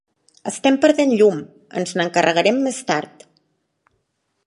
Estem perdent llum, ens n'encarregarem més tard.